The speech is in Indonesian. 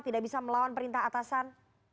tidak bisa melawan perintah atasan